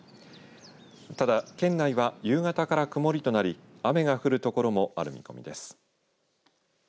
ただ県内は夕方からくもりとなり雨が降る所もある見込みです。